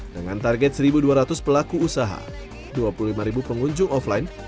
dengan target satu dua ratus pelaku usaha dua puluh lima pengunjung offline